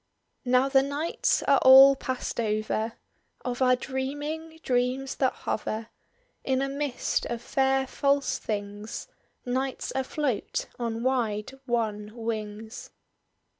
"Now the nights are all past over Of our dreaming, dreams that hover In a mist of fair false things: Night's afloat on wide wan wings."